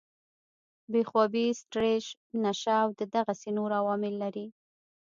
بې خوابي ، سټريس ، نشه او دغسې نور عوامل لري